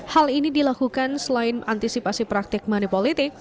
hal ini dilakukan selain antisipasi praktik money politik